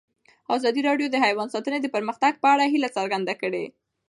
ازادي راډیو د حیوان ساتنه د پرمختګ په اړه هیله څرګنده کړې.